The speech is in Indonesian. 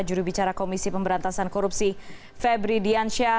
juru bicara komisi pemberantasan korupsi febri diansyah